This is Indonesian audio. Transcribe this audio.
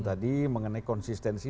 tadi mengenai konsistensi